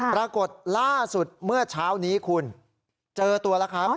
ปรากฏล่าสุดเมื่อเช้านี้คุณเจอตัวแล้วครับ